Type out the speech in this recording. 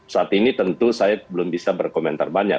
saat ini tentu saya belum bisa berkomentar banyak